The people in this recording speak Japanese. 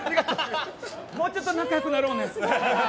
もうちょっと仲良くなろうね。